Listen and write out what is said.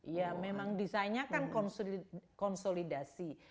ya memang desainnya kan konsolidasi